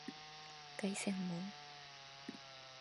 凱旋門